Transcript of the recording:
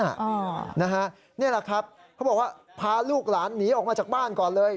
นี่แหละครับเขาบอกว่าพาลูกหลานหนีออกมาจากบ้านก่อนเลย